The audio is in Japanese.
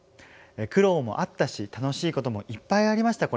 苦労もあったし楽しいこともいっぱいありました